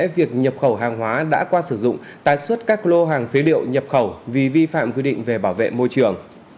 việc nhập khẩu hàng hóa đã qua sử dụng tái xuất các lô hàng phế liệu nhập khẩu vì vi phạm quy định về bảo vệ môi trường